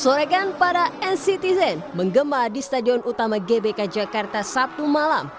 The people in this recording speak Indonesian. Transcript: sorekan para nctzen menggema di stadion utama gbk jakarta sabtu malam